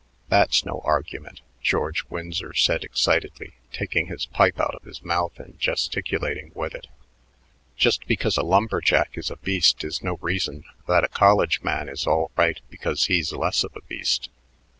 "That's no argument," George Winsor said excitedly, taking his pipe out of his mouth and gesticulating with it. "Just because a lumberjack is a beast is no reason that a college man is all right because he's less of a beast.